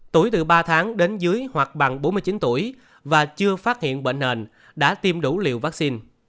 tuổi từ ba tháng đến dưới hoặc bằng bốn mươi chín tuổi và chưa phát hiện bệnh nền đã tiêm đủ liều vaccine